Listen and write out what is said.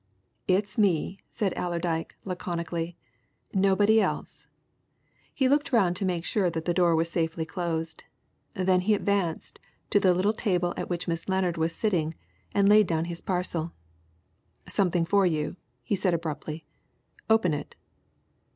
"It's me," said Allerdyke laconically. "Nobody else," He looked round to make sure that the door was safely closed; then he advanced to the little table at which Miss Lennard was sitting and laid down his parcel. "Something for you," he said abruptly. "Open it."